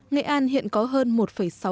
nghệ an hiện có hơn một triệu vụ cháy